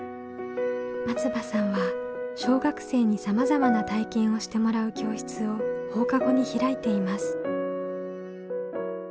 松場さんは小学生にさまざまな体験をしてもらう教室を放課後に開いています。